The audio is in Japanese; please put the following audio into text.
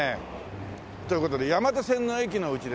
という事で山手線の駅のうちですね